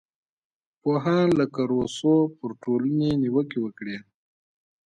پوهان لکه روسو پر ټولنې نیوکې وکړې.